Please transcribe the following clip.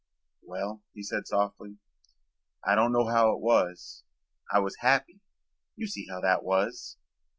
"Well," he said softly, "I don't know how it was. I was happy. You see how that was.